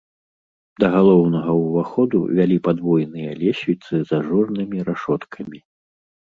Да галоўнага ўваходу вялі падвойныя лесвіцы з ажурнымі рашоткамі.